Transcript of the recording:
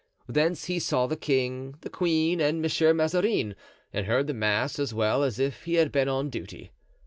Thence he saw the king, the queen and Monsieur Mazarin, and heard the mass as well as if he had been on duty.